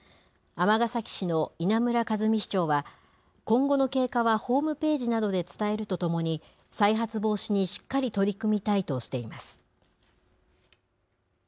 尼崎市の稲村和美市長は、今後の経過はホームページなどで伝えるとともに、再発防止にしっかり取り組みたいとしています。